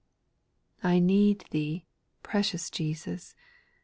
8. I need Thee, precious Jesus